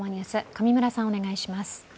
上村さん、お願いします。